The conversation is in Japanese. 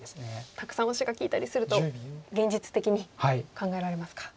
たくさんオシが利いたりすると現実的に考えられますか。